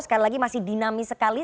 sekali lagi masih dinamis sekali